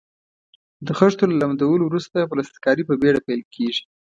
د خښتو له لمدولو وروسته پلسترکاري په بېړه پیل کیږي.